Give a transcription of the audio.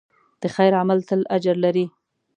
د خیر عمل تل اجر لري.